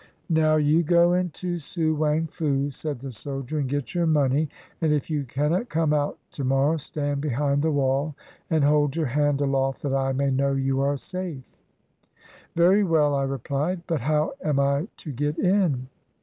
"Now you go into Su Wang Fu," said the soldier, "and get your money; and if you cannot come out to morrow, stand behind the wall and hold your hand aloft that I may know you are safe." "Very well," I replied, "but how am I to get in?"